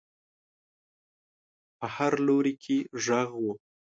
په هر لوري کې غږ و.